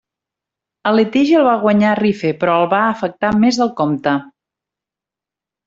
El litigi el va guanyar Rife però el va afectar més del compte.